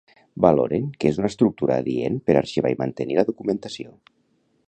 Valoren que és una estructura adient per arxivar i mantenir la documentació.